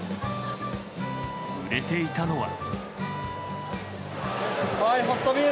売れていたのは。